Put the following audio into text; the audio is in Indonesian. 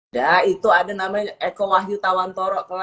ya itu ada namanya eko wahyu tawantoro